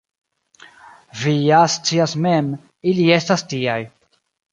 Vi ja scias mem, ili estas tiaj.